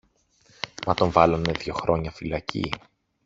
μα τον βάλανε δυο χρόνια φυλακή.